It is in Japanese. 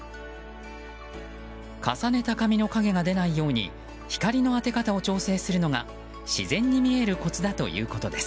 重ねた紙の影が出ないように光の当て方を調整するのが自然に見えるコツだということです。